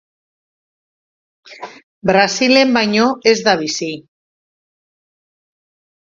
Brasilen baino ez da bizi.